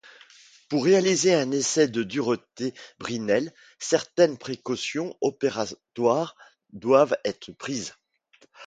Pour réaliser un essai de dureté Brinell, certaines précautions opératoires doivent être prises.